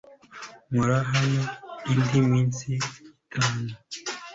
Nkora hano indi minsi itatu.